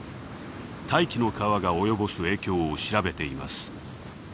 「大気の川」が及ぼす影響を調べています。